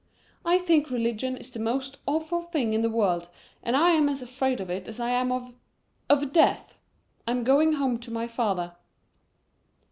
"I think religion is the most awful thing in the world and I am as afraid of it as I am of of death. I'm going home to my father."